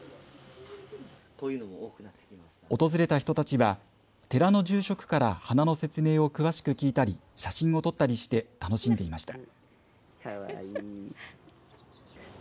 訪れた人たちは寺の住職から花の説明を詳しく聞いたり写真を撮ったりして楽しんでいました。